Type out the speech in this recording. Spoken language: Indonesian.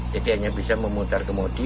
jadi hanya bisa memutar ke modi